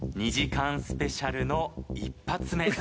２時間スペシャルの一発目。